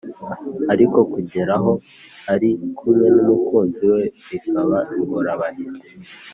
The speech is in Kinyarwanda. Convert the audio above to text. ariko kurigeraho ari kumwe n’umukunzi we bikaba ingorabahizi.